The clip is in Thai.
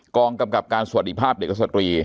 กองกำกับการสวัสดีภาพเด็กและสตรี